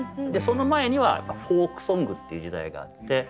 その前にはフォークソングっていう時代があって。